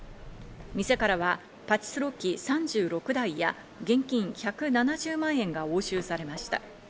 店からはパチスロ機３６台や現金１７０万円が押収されました。